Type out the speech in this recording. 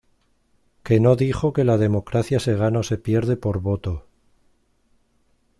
Que no dijo que la democracia se gana o se pierde por voto.